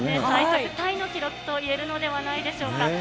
最速タイの記録といえるのではないでしょうか。